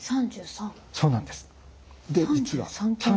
そうなんです。